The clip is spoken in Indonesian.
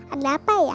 ada apa ya